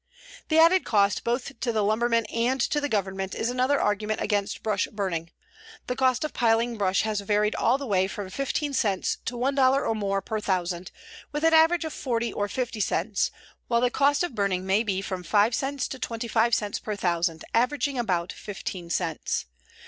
"The added cost, both to the lumberman and to the Government, is another argument against brush burning. The cost of piling brush has varied all the way from 15 cents to $1 or more per thousand, with an average or 40 or 50 cents, while the cost or burning may be from 5 cents to 25 cents per thousand, averaging about 15 cents.